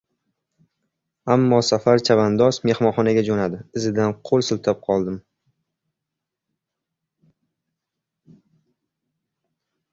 Ammo Safar chavandoz mehmonxonaga jo‘nadi. Izidan qo‘l siltab qoldim.